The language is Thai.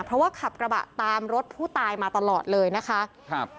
เพราะว่าขับกระบะตามรถผู้ตายมาตลอดเลยนะคะครับ